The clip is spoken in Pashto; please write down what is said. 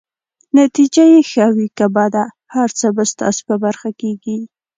نتیجه که يې ښه وي که بده، هر څه به ستاسي په برخه کيږي.